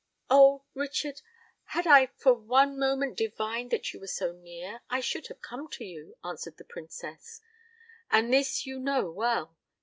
"Oh! Richard, had I for one moment divined that you were so near, I should have come to you," answered the Princess; "and this you know well!